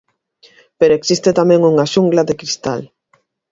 Pero existe tamén unha xungla de cristal.